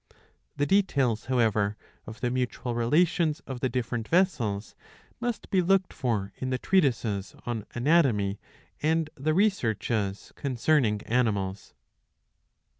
^^ The details however of the mutual relations of the different vessels must be looked for in the treatises on Anatomy and the Researches concerning Animals.